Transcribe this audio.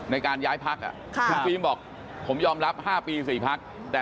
ในการย้ายพักอ่ะ